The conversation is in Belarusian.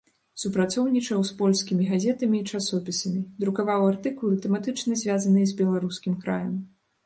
Супрацоўнічаў з польскімі газетамі і часопісамі, друкаваў артыкулы тэматычна звязаныя з беларускім краем.